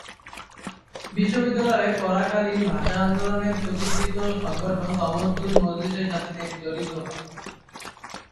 বিশ্ববিদ্যালয়ে পড়াকালীন ভাষা আন্দোলনের পথিকৃৎ সংগঠন তমদ্দুন মজলিসের সাথে জড়িত হন।